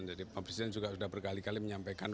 jadi presiden juga sudah berkali kali menyampaikan